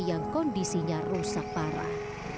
yang kondisinya rusak parah